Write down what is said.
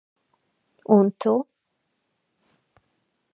Un tu?